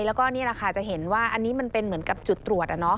แล้วก็จะเห็นว่าอันนี้มันเป็นเหมือนกับจุดตรวจ